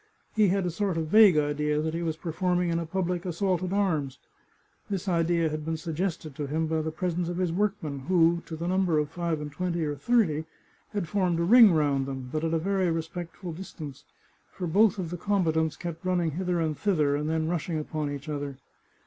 He had a sort of vague idea that he was performing in a public assault at arms. This idea had been suggested to him by the presence of his workmen, who, to the number of five and twenty or thirty, had formed a ring round them, but at a very respectful distance, for both of the combatants kept running hither and thither, and then rushing upon each other.